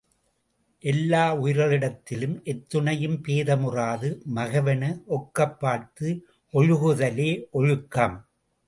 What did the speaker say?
எல்லா உயிர்களிடத்திலும் எத்துணையும் பேதமுறாது, மகவென ஒக்கப் பார்த்து ஒழுகுதலே ஒழுக்கம்.